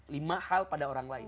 lima hal pada orang lain